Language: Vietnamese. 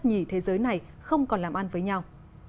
nhỉ thế giới này không còn làm ăn với nhau